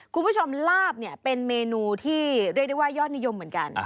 คุณผู้ชมลาบเนี่ยเป็นเมนูที่เรียกได้ว่ายอดนิยมเหมือนกัน